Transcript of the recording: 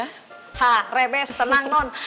hah reves tenang non